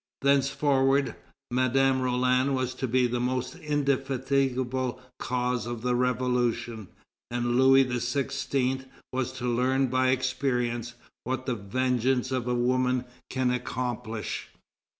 Thenceforward Madame Roland was to be the most indefatigable cause of the Revolution, and Louis XVI. was to learn by experience what the vengeance of a woman can accomplish.